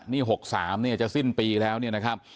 นี่๖๓เนี่ยจะสิ้นปีแล้วเนี่ยนะครับ